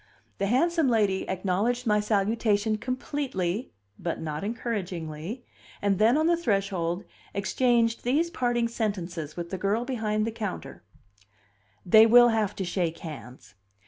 The handsome lady acknowledged my salutation completely, but not encouragingly, and then, on the threshold, exchanged these parting sentences with the girl behind the counter: "They will have to shake hands.